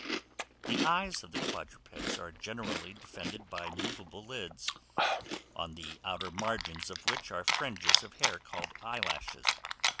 The eyes of quadrupeds are generally defended by movable lids, on the outer margins of which are fringes of hair, called eyelashes.